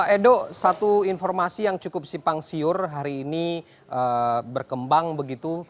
edo satu informasi yang cukup simpang siur hari ini berkembang begitu